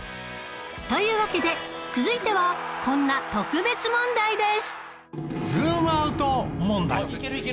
というわけで続いてはこんな特別問題です